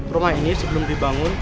rumah ini sebelum dibangun